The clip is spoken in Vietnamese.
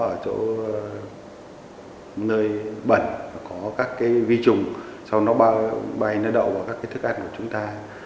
ở chỗ nơi bẩn có các vi trùng sau đó nó bay nó đậu vào các thức ăn của chúng ta